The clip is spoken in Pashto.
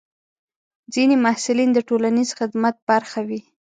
ځینې محصلین د ټولنیز خدمت برخه وي.